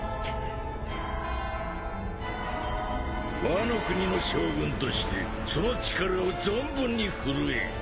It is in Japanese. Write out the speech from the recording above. ワノ国の将軍としてその力を存分に振るえ。